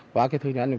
qua cái thời gian này